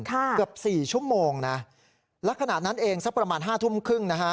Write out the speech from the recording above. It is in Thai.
เกือบสี่ชั่วโมงนะและขณะนั้นเองสักประมาณห้าทุ่มครึ่งนะฮะ